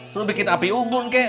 suruh bikin api unggun kek